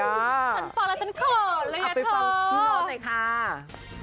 ฉันฟังแล้วฉันโขลเลยอาทิตย์